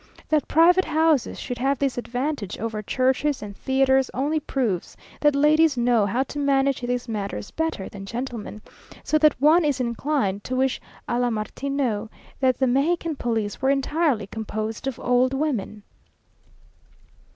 That private houses should have this advantage over churches and theatres, only proves that ladies know how to manage these matters better than gentlemen, so that one is inclined to wish a la Martineau, that the Mexican police were entirely composed of old women.